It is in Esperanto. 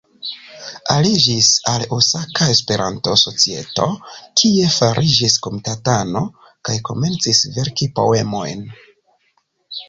Aliĝis al Osaka Esperanto-Societo, kie fariĝis komitatano, kaj komencis verki poemojn.